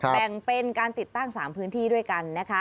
แบ่งเป็นการติดตั้ง๓พื้นที่ด้วยกันนะคะ